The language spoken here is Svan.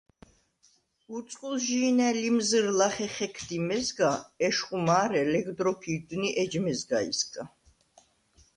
ურწყულჟი̄ნა̈ ლიმზჷრ ლახე ხექდი მეზგა, ეშხუ მა̄რე ლეგდ როქვ ირდვნი ეჯ მეზგაისგა.